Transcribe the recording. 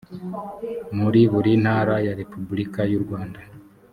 muri buri ntara ya repubulika y urwanda